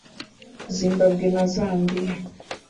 Zimbabwe na Zambia